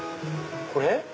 これ？